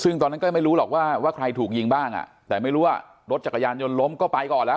ซึ่งตอนนั้นก็ไม่รู้หรอกว่าว่าใครถูกยิงบ้างอ่ะแต่ไม่รู้ว่ารถจักรยานยนต์ล้มก็ไปก่อนแล้ว